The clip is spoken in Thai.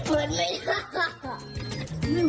เปิดไม่ได้ค่ะ